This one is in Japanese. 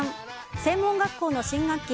専門学校の新学期